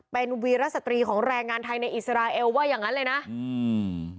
เป็นวีรสตรีของแรงงานไทยในอิสราเอลว่าอย่างงั้นเลยนะอืม